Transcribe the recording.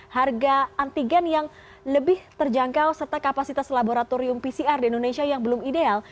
harga antigen yang lebih terjangkau serta kapasitas laboratorium pcr di indonesia yang belum ideal